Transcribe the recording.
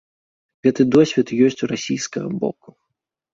Гэты досвед ёсць у расійскага боку.